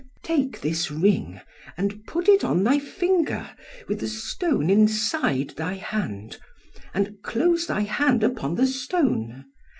Take this ring and put it on thy finger, with the stone inside thy hand; and close thy hand upon the stone.